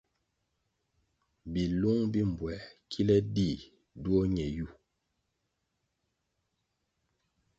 Bilung bi mbpuer kile dih duo ñe yu.